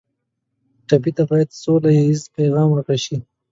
ټپي ته باید سوله ییز پیغام ورکړل شي.